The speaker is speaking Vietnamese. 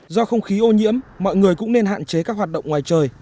do không khí ô nhiễm mọi người cũng nên hạn chế các hoạt động ngoài trời